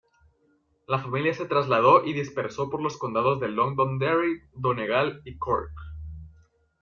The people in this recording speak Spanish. La familia se trasladó y dispersó por los condados de Londonderry, Donegal and Cork.